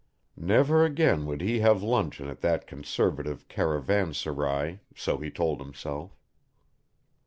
Never again would he have luncheon at that Conservative Caravanserai, so he told himself.